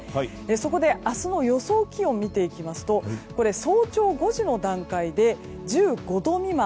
そこで、明日の予想気温見ていきますと早朝５時の段階で１５度未満。